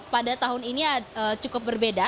pada tahun ini cukup berbeda